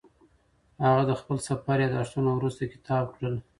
هغه د خپل سفر یادښتونه وروسته کتاب کړل.